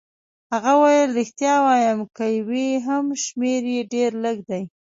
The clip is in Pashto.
هغه وویل: ریښتیا وایم، که وي هم شمېر يې ډېر لږ دی.